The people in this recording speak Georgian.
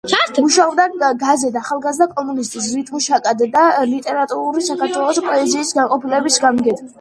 მუშაობდა გაზეთ „ახალგაზრდა კომუნისტის“ ლიტმუშაკად და „ლიტერატურული საქართველოს“ პოეზიის განყოფილების გამგედ.